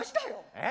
えっ？